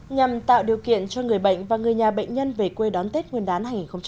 nhằm tạo điều kiện cho người bệnh và người nhà bệnh nhân về quê đón tết nguyên đán hai nghìn hai mươi